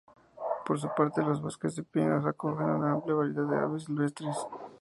Por su parte los bosques de pinos acogen una amplia variedad de aves silvestres.